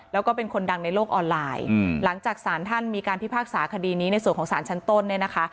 แล้วก็เป็นคนดังในโลกออนไลน์หลังจากสารท่านมีการพิพากษาคดีนี้ในส่วนของสารชั้นต้นเนี่ยนะคะ